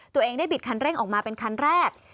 ตัวเองได้บิดคันเร่งออกมาเป็นคันแรก